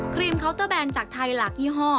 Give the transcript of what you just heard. รีมเคาน์เตอร์แบนจากไทยหลากยี่ห้อ